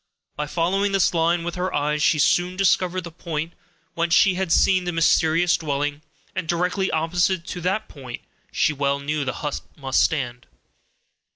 By following this line with her eyes, she soon discovered the point whence she had seen the mysterious dwelling, and directly opposite to that point she well knew the hut must stand.